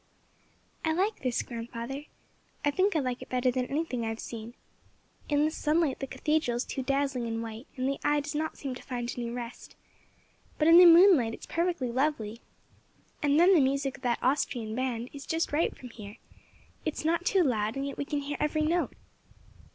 "I LIKE this, grandfather. I think I like it better than anything I have seen. In the sunlight the cathedral is too dazzling and white, and the eye does not seem to find any rest; but in the moonlight it is perfectly lovely. And then the music of that Austrian band is just right from here; it is not too loud, and yet we can hear every note.